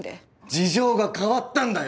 事情が変わったんだよ！